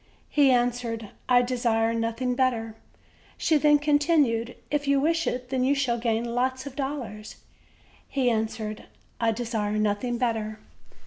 He answered: "I desire nothing better." She then continued: "If you wish it, then, you shall gain lots of dollars." He answered: "I desire nothing better."